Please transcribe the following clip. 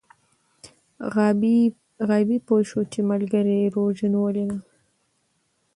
غابي پوه شو چې ملګری یې روژه نیولې ده.